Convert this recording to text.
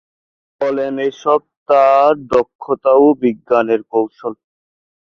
বলেন এসব তার দক্ষতা ও বিজ্ঞানের কৌশল।